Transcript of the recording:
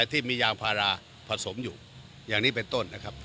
ที่มียางพาราผสมอยู่อย่างนี้เป็นต้นนะครับ